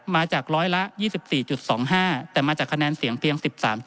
มาจากร้อยละ๒๔๒๕แต่มาจากคะแนนเสียงเพียง๑๓๗